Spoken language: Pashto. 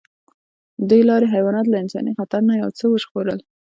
دې لارې حیوانات له انساني خطر نه یو څه وژغورل.